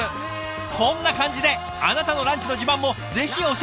こんな感じであなたのランチの自慢もぜひ教えて下さい。